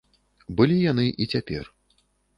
Былі яны і цяпер.